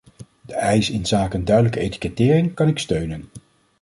De eis inzake een duidelijke etikettering kan ik steunen.